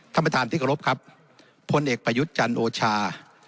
ท่านประธานที่กรบครับพลเอกประยุทธ์จันทร์โอชา